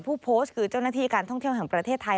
ผู้โพสต์คือเจ้าหน้าที่การท่องเที่ยวแห่งประเทศไทย